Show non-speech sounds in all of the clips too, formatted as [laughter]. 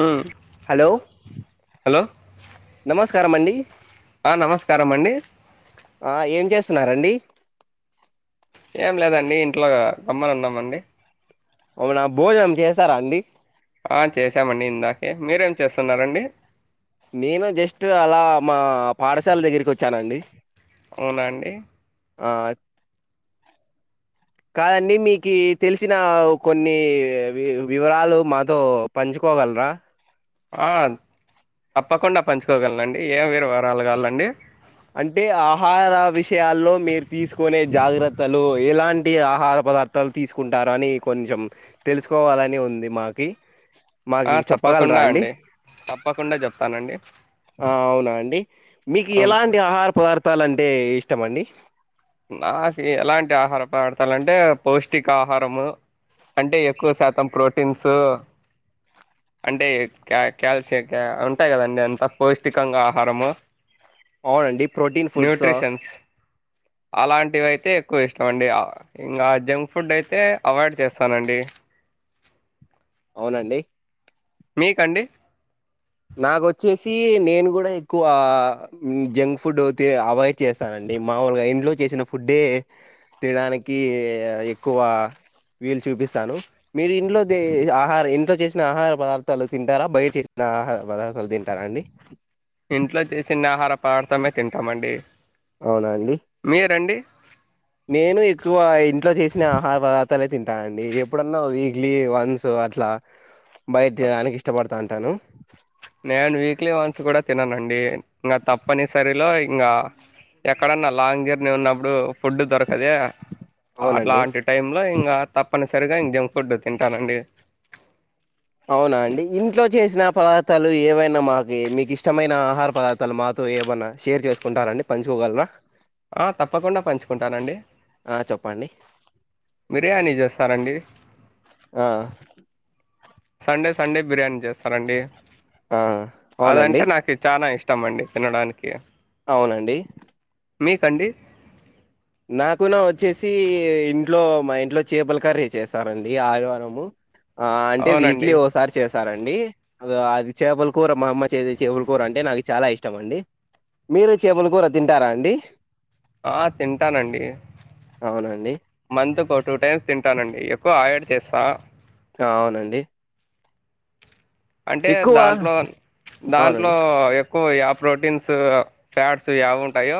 మ్మ్ hello hello నమస్తే మస్కారంమండి నమస్కారం అండి ఆ ఏం చేస్తున్నారంండి ఏం లేదండి ఇంట్లో గమ్మని ఉన్నామ అండి అవునా భోజనం చేసారా అండి చేసామండి ఇందాకే మీరేం చేస్తున్నారండి నేను జస్ట్ అలా మా పాఠశాల దగ్గరికి వచ్చానండి అవునా అండి ఆ కాదండి మీకు తెలిసిన కొన్ని వివరాలు మాతో పంచుకోగలరా ఆ తప్పకుండా పంచుకోగలండి ఏం వీరవరా కాలండి అంటే ఆహార విషయాల్లో మీరు తీసుకునే జాగ్రత్తలు ఎలాంటి ఆహార పదార్థాలు తీసుకుంటారు అని కొంచెం తెలుసుకోవాలని ఉంది మాకి మాకి ఆ చెప్పగలరా తప్పకుండా అండి తప్పకుండా చెప్తానండి ఆ అవునా అండి మీకు అవును ఎలాంటి ఆహార పదార్థ పత్తాలంటే ఇష్టమ అండి నాకు ఎలాంటి ఆహార పడతాలంటే పౌష్టికా ఆహారము అంటే ఎక్కువ శాతం ప్రోటీన్సు అంటే క్యాల్షియం ఉంటాయి కదండి అంత పౌష్టికంగా ఆహారము అవునండి ప్రోటీన్ ఫుడ్సా అలాంటివి అయితే ఎక్కువ ఇష్టం అండి ఇంకా జంక్ ఫుడ్ అయితే అవాయిడ్ చేస్తానండి అవునండి మీకండి నాకుొచ్చేసి నేను కూడా ఎక్కువ జంక్ ఫుడ్ తి అవాయిడ్ చేస్తానండి మామూలుగా ఇంట్లో చేసిన ఫుడ్డే తినడానికి ఎక్కువ వీలు చూపిస్తాను మీరు ఇంట్లో ఆహార ఇంట్లో చేసిన ఆహార పదార్థాలు తింటారా బయట చేసిన ఆహార పదార్థలు తింటారా అండి చిన్న ఆహార పదార్ధమే తింటామండి అవునా అండి మీరండి నేను ఎక్కువ ఇంట్లో చేసిన ఆహార పదార్థాలు తింటానండి ఎప్పుడన్నా వీక్లీ వన్స్ అట్లా బయట తీడానికి ఇష్టపడ్ తంటాను నేను వీక్లీ వన్స్ కూడా తిననండి ఇంగా తప్పనిసరిలో ఇంగా ఎక్కడన్నా లాంగ్ జర్నీ ఉన్నప్పుడు ఫుడ్ దొరకదే అవునండి అట్లాంటి టైమ్ లో ఇంగా తప్పనిస [unintelligible] ఇంగ జంక్ ఫుడ్ తింటానుండి అవునా అండి ఇంట్లో చేసిన పదార్థాలు ఏవైనా మాకి మీకు ఇష్టమైన ఆహార పదార్థాలు మాతో ఏమైనా షేర్ చేసుకుంటారండి పంచుకోగలర ఆ తప్పకుండా పంచుకుంటానండి ఆ చెప్పండి బిర్యానీ చేస్తానండి ఆ సండే సండే బిర్యానీ చేస్ స్తానండీ ఆ అవునండి అదంటే నాకు చానా ఇష్ ష్టంమండి తినడానికి అవునండి మీకండి నాగుణా వచ్చేసి ఇంట్లో మా ఇంట్లో చేపల కర్రీ చేస్తారండి ఆదివారము ఆ అంటే అవునండి వీక్లీ ఓసారి చేసారండి అది చేపల కూర మా అమ్మ చేసే చేపల కూర అంటే నాకు చాలా ఇష్టం అండి మీరు చేపల కూర తింటారా అండి ఆ తింటానండి అవునండి మంత్ ఒక టూ టైమ్స్ తింటానండి ఎక్కువ ఆయడ్ చేసా అవునండి అంటే ఎక్కువ దాంట్లో దాంట్లో అవునండి ఎక్కువ యా ప్రోటీన్స్ ఫ్యాట్స్ యావి ఉంటాయో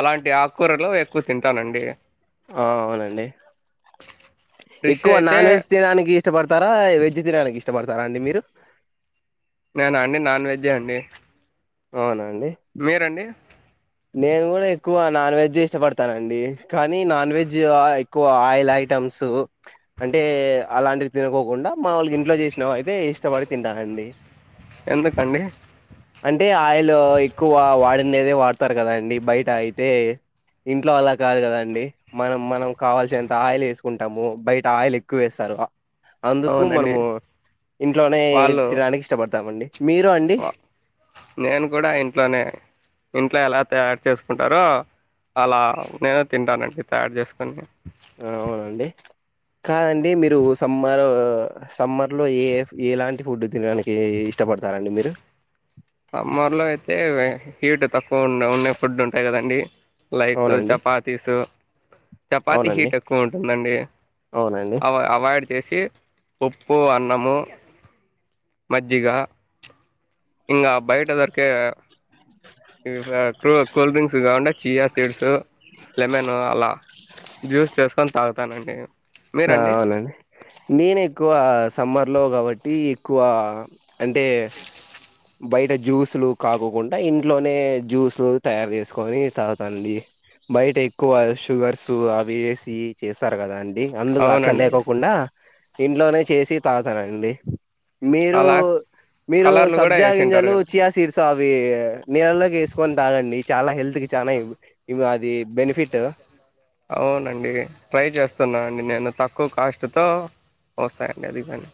అలాంటి ఆకుకూరలు ఎక్కువ తింటానండి ఆ అవునండి ఫిష్ ఎక్కువ అయితే నాన్ వెజ్ తినడానికి ఇష్టపడతారా వెజ్ వేజ్ తినడానికి ఇష్టపడతారా అండి మీరు నేనా అండి నాన్వెజే అండి అవునా మీరండి నేను కూడా ఎక్కువ నాన్వెజ్ ఇష్టపడతానండి కానీ నాన్ వెజ్ ఆ ఏ ఎక్కువ ఆయిల్ ఐటమ్స్ అంటే అలాంటివి తనుకోకుండా మాములుగా ఇంట్లో చేసినా అయితే ఇష్ ష్టపడి తింటానండీ ఎందుకండి అన్ అంటే ఆయిల్ ఎక్కువ వాడిండేదే వాడ్ వత్తర్ కదండి బయట అయితే ఇంట్లో అలా కాదు కదండి మనం మనం కావాల్సినంత ఆయిల్ వేసుకుంటాము బయట ఆయిల్ ఎక్కువ ఏస్తరు. అందుకు అవునండి మనము ఇంట్లోనే వాళ్ళు తినడానికి ఇష్టపడతామండి మీరు అండి నేను కూడా ఇంట్లోనే ఇంట్లో ఎలా తయారు చేసుకుంటారో అలా నేను తింటానండి తయారు చేసుకొని తిన్ కాదండి మీరు సమ్మర్ సమ్మర్లో ఏ ఏలాంటి ఫుడ్ తినడానికి ఇష్టపడతారండి మీరు. అమ్మర్లో అయితే హీట్ తక్కువ ఉన్న ఉన్నే ఫుడ్ ఉంటాయి కదండి లైక్ అవునండి చపాతీసు చపాతీ అవునండి హీట్ ఎక్కువ ఉంటుందండి అవునండి అవా అవాయిడ్ చేసి, పొప్పు అన్నము మజ్జిగ ఇంగా బయట దర్ కా కూల్ కూల్ డ్రింక్స్ ఇగా ఉండాయ్ చియా సీడ్స్ లెమన్ అలా జ్యూస్ చేసుకొని తాగ్ తానండి ఆ అవునండి నేను ఎక్కువ సమ్మర్ లో కాబట్టి ఎక్కువ అంటే బయట జ్యూస్లు కాకోకుండా ఇంట్లోనే జ్యూస్లు తయారు చేసుకొని తాగుతండి. బయట ఎక్కువ షుగర్స్ అవి ఏసి చేస్తారు కదాంన్ అండి అందుకు అట్లా అవునండి లేకోకుండా ఇంట్లోనే చేసి తాతానండి మీరు అలా మీరూ కలర్లు కూడా సబ్జా వేసింటారు గింజాలు కదా చయాసీడ్స్ అవి నీలల్లోకి వేసుకొని తాగండి చాలా హెల్త్ కి చానా ఇవి అది బెనిఫిట్. అవునండి ట్రై చేస్తున్నా అండి నేను తక్కువ కాస్ట్తో వస్తాయండి అది కానీ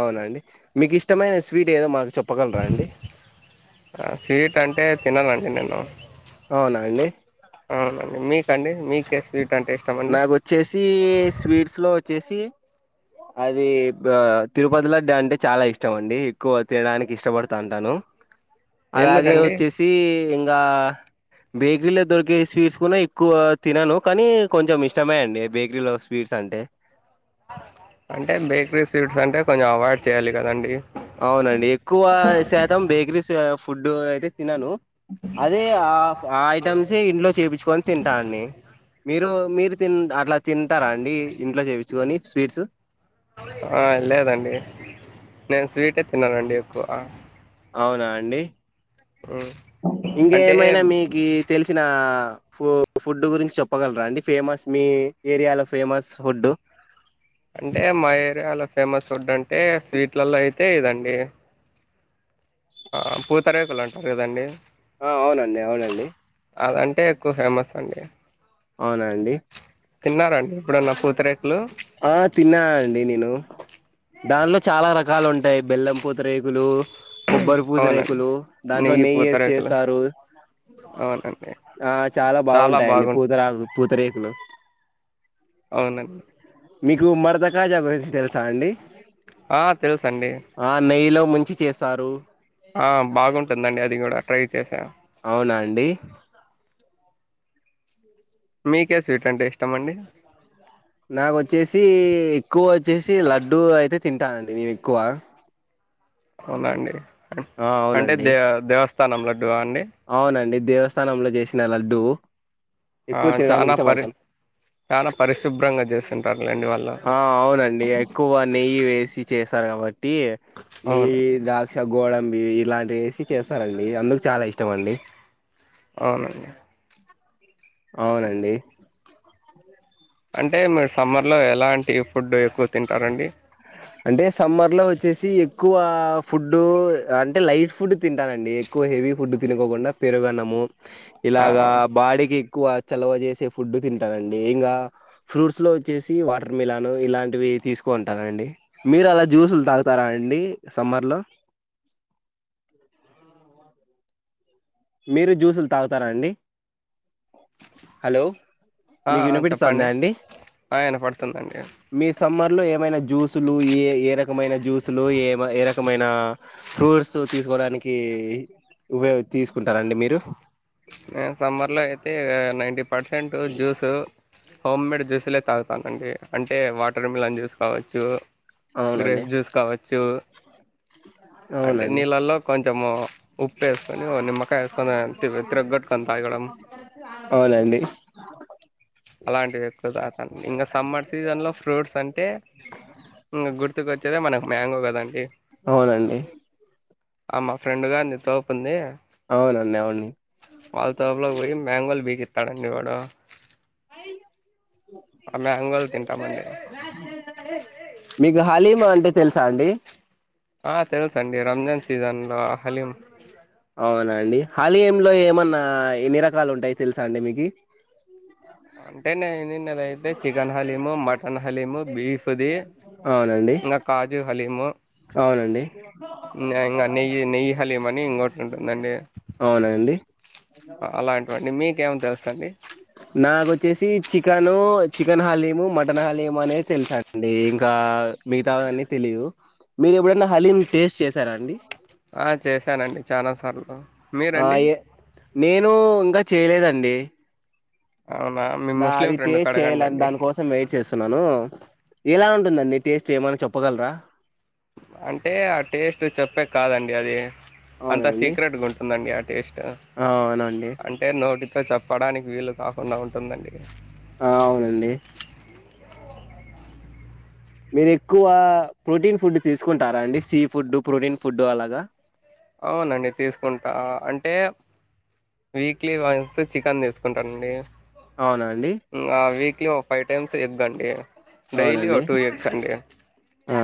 అవునండి మీకు ఇష్టమైన స్వీట్ ఏదో మాకు చెప్పగలరా అండి స్వీట్ అంటే తిననండి నేను అవునండి మీక్ నాకొచ్చేసి స్వీట్స్ లో వచ్చేసి అదీ గ్ తిరుపతి లడ్డూ అంటే చాలా ఇష్టం అండి ఎక్కువ తినడానికి ఇష్టపడతా అంటాను. అలాగే ఎందుకండి వచ్చేసి ఇంగా బేకరీలో దొరికే స్వీట్స్ కూడా ఎక్కువ తినను కానీ కొంచెం ఇష్టమే అండి బేకరీలో స్వీట్స్ అంటే అంటే బేకరీ స్వీట్స్ అంటే కొంచెం అవాయిడ్ చేయాలి కదండి అవునండి. ఎక్కువ శాతం బేకరీస్ ఫుడ్ ఫుడ్ అయితే తినను అదే ఆ ఆ ఐటమ్స్ ఇంట్లో చేపించుకొని తింటాండి. మీరు మీరు తిన్ అట్లా తింటారా అండి ఇంట్లో చెపి [unintelligible] ని స్వీట్స్ ఆ లేదండి. నేను స్వీటే తిన్నానండి. ఎక్కువ అవునా అండి. ఉమ్. అంటే ఇంకేమైనా మీకి తెలిసిన ఫు ఫుడ్ గురించి చెప్పగలరా అండి. ఫేమస్ మీ ఏరియాలో ఫేమస్ ఫుడ్ అంటే మా ఏరియాలో ఫేమస్ ఫుడ్ అంటే స్వీట్లల్లలా అయితే ఇదండి. ఆ పూతరేకులు అంటారు. కదండి. ఆ అవునండి. అవునండి. అదంటే ఎక్కువ ఫేమస్ అండి. అవునా అండి. తిన్నారండి ఇప్పుడన్న పూతరేకులు ఆ తిన్నా అండి. నేను దానిలో చాలా రకాలు ఉంటాయి. బెల్లం పూతిరేకులు కొబ్బరి అవునండి పూతిరేకులు దాంట్లో నెయ్యి యేసి చేస్తారు. అవునండి ఆ చాలా బాగుంటాయండి. పూతరాగులు, పూతరేకులు అవునండి మీకు మడతా కాజా గురించి తెలుసా అండి. ఆ తెలుస్ అండి ఆ నెయ్యిలో ముంచి చేస్తారు. ఆ బాగుంటుందండి. అది కూడా ట్రై చేసాం అవునా అండి. మీకే ఎ స్వీట్లు అంటే ఇష్టం అండి. నాకోచ్చేసి ఎక్కువ వచ్చేసి లడ్డు అయితే తింటానండి. నే ఎక్కువ అవునా అండి ఆ అంటే అవునండి దేవ్ దేవస్త్ [unintelligible] అవునండి. దేవస్థానంలో చేసిన లడ్డు ఆ ఎక్కువ తినడానికి చానా ఇష్టపడతాను పరిశ్రుబ్ చానా పరిశుభ్రంగా చేసే [unintelligible] ఆ అవునండి. ఎక్కువ నెయ్యి వేసి చేస్ ఉంటారు కాబట్టి టి, నీది అవునండి ద్రాక్ష, గోడంబి ఇలాంటి రేసి చేస్తారండి అందుకు చాలా ఇష్టం అండి అవునండి అవునండి అంటే మీరు సమ్మర్ లో ఎలాంటి ఫుడ్ ఎక్కువ తింటారండి అంటే సమ్మర్ లో వచ్చేసి ఎక్కువ ఫుడ్ అంటే లైట్ ఫుడ్ తింటానండి ఎక్కువ హెవీ ఫుడ్ తినుకోకుండా పెరుగనము ఆ ఇలాగా బాడికి ఎక్కువ చలవ చేసే ఫుడ్ తింటానండి ఇంకా ఫ్రూట్స్ లో వచ్చేసి వాటర్ మిలాన్ ఇలాంటివి తీసుకుంటానండీ మీరు అలా జ్యూసులు తాగుతారా అండి సమ్మర్ లో మీరు జ్యూసులు తాగుతారా అండి హలో ఆ మీకు వినిపిస్తుందా చెప్పండి అండి ఆ వినపడుతుంది అండి మీ సమ్మర్ లో ఏమైనా జ్యూసులు ఏ ఏ రకమైన జ్యూసులు ఏ ఏ రకమైన ఫ్రూట్స్ తీసుకోవడానికి ఉయో తీసు ఉంటారండి మీరు సమ్మర్ లో అయితే నైన్టీ పర్సెంట్ జ్యూసు హోమ్మేడ్ జ్యూస్లే తాగుతానండి అంటే వాటర్ మిలాన్ జ్యూస్ కావచ్చు అవునండి గ్రేఫ్ జ్యూస్ కావచ్చు చూ అంటే అవునండి నీళ్ళల్లో కొంచెము ఉప్పు వేస్కొని ఒక నిమ్మకాయ వేస్కొని అంతే అవునండి అలాంటి వ్యక్తులు అత ఇంకా సమ్మర్ సీజన్ లో ఫ్రూట్స్ అంటే ఇంకా గుర్తుక వచ్చ అదే మనకి మ్యాంగో కదండి అవునండి ఆ మా ఫ్రెండ్ గారిని తపుంది అవునండి అవును వాళ్తల వ మ్యాంగల్ బక తాడివాడ మ్యాంగోలు తింటామండి మీఘాల మ అంటే తెలుసా అండి ఆ తెలుస అండి రంజాన్ సీజన్ లో హలీం హాల ఏమ్ లో ఏమన్నా ఎన్ని రకాలు ఉంటాయి తెలుసా అండి మీకి అంటే నేను నిన్నదైతే చికెన్ హలీము మటన్ హలీము బీఫ్దిి అవునండి ఇంకా కాజు హలీము అవునండి ఇం నెయ్యి నెయ్యి హలీం అని ఇంకోటి ఉంటుందండి అవునండి అలాంటివండి మీకు ఏమంది తెలుస్తుండి నాకుొచ్చేసి chicken chicken haleem mutton haleem అనేది తెలుసాండి ఇంకా మిగతాని తెలేవు మీరు ఎప్పుడైనా హలీం టేస్ట్ చేసారా అండి ఆ చేశానండి చానా సార్లు అయే నేను ఇంగ చేలేదండి అవునా మీ దా ముస్లిం అది ఫ్రెండ్కి టేస్ట్ చెయ్లాన్ అడగండండి దాన్కోసం వెయిట్ చేస్సున్నాను ఎలా ఉంటుందండి టేస్టేమన్నా చొప్పగల్రా అంటే ఆ టేస్ట్ చెప్పే కాదండి అది. అంత అవునండి సీక్రెట్గుంటుందండి. ఆ టేస్ట్ ఆ అవునండి అంటే నోటి తో చెప్పడానికి వీలు కాకుండా ఉంటుందండి ఆ అవునండి మీరేక్కువ ప్రోటీన్ ఫుడ్ తీసుకుంటారాండి. సీ ఫుడ్డు, ప్రోటీన్ ఫుడ్డు, అలాగా అవునండి తీసుకుంటా. అంటే వీక్లీ వన్స్ చికన్ దిసుకుంటానండి అవునా అండి ఇంగా వీక్లీ ఓ ఫై టైమ్స్ ఎగ్గండి డైలీ ఓ అవునండి టు ఎగ్ససండి ఆ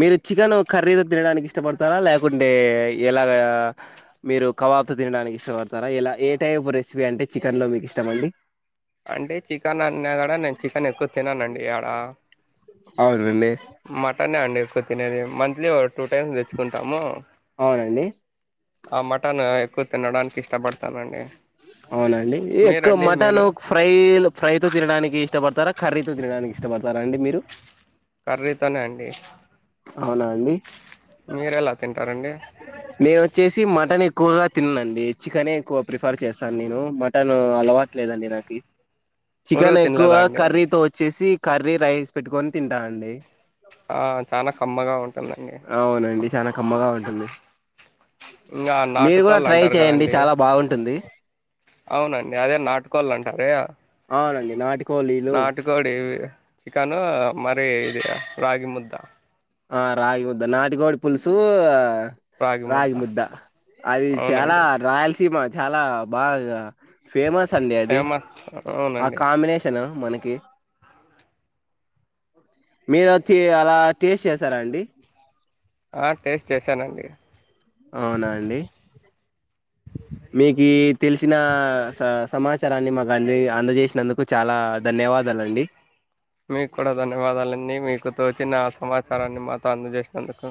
మీరు చికెను కర్రీదో తినడానికి ఇష్టపడతారా. ల్యాకుండే, ఎలాగా. మీరు కబాబ్తో తినడానికి ఇష్టపడతారా ఎలా ఏ, టైప్ రెసిపీ అంటే, చికెన్లో మీకీష్టమండి అంటే, చికెన్ అన్నా గడా. నేన్ చికెన్ ఎక్కువ తిననండి, ఆడ అవున్ నండి టనే అండి ఎక్కువ తినేది. మంత్లీ ఓ, టూ టైమ్స్ దేచ్చుకుంటాము అవునండి. ఎక్కువ తినడానికి ఇష్టపడతానండి అవునండి, ఎక్కువ మీరండి మటన్ మీరు ఫ్రైల్, ఫ్రైతో తినడానికి ఇష్టపడతారా కర్రీతో తినడానికి ఇష్టపడతారా అండి మీరు కర్రీతోనే అండి. అవునా మీరేలా తింటారండి నేనోచ్చేసి మటనేక్ క్కువగా తిన్నండి. చికెనే ఎక్కువ ప్రిఫర్ చేస్తాను నేను. మటన్ అలవాట్లేదండి. నాకి మురుగు చికెన్ ఎక్కువ తినలేదా అండి కర్రీతో వచ్చేసి కర్రీ రైస్ పెట్టుకొని తింటనండి ఆ చానా కమ్మగా ఉంటుందండి చానా కమ్మగా ఉం అందే ఇంగా నాటుకోళ్ళంటారు గదండి. చాలా బాగుంటుంది అవునండి అదే నాటుకోళ్ళంటారే అవునండి నాటికోలీలు నాటికోడి వి చికను మరి ఇది రగి ముద్ద ఆ రాగి ముద్ద నాటిగోడి పులుసు రాగి ముద్ద అది చాలా అవునండి రాయలసీమ చాలా బాగా ఫేమస్ అండి అది ఫేమస్ ఆ అవునండి కాంబినేషను మనకి మీరచ్చి అలా టేస్ట్ చేసారా అండి ఆ టేస్ట్ చేశానండి అవునా అండి మీకు తెలిసిన స సమాచ చారాన్ని మాకు అంది అందజేసినందుకు చాలా ధన్యవాదాలండి మీకు కూడా ధన్యవాదాలండి మీకుతో చిన్న సమాచారాన్ని మాతో అందజేసినందుకు